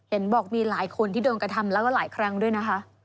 บอกมีหลายคนที่โดนกระทำแล้วก็หลายครั้งด้วยนะคะ